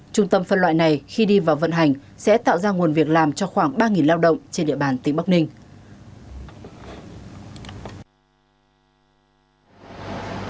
trung tâm phân loại này khi đi vào vận hành sẽ tạo ra nguồn việc làm cho khoảng ba lao động trên địa bàn tỉnh bắc ninh